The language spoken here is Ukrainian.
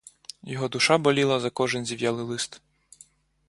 Його душа боліла за кожен зів'ялий лист.